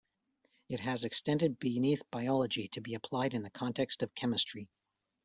It has extended beneath biology to be applied in the context of chemistry.